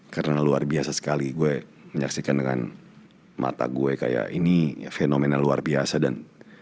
karena luar biasa sekali gue menyaksikan dengan mata gue kayak ini fenomena luar biasa dan